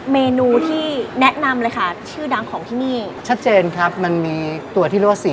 เมนูที่แนะนำเลยค่ะชื่อดังของที่นี่